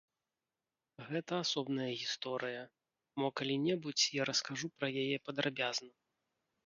Гэта асобная гісторыя, мо калі-небудзь я раскажу пра яе падрабязна.